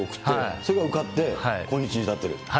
それで受かって、今日に至ってる。